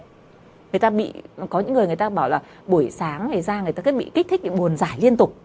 có những người người ta bảo là buổi sáng ngày ra người ta cứ bị kích thích bồn giải liên tục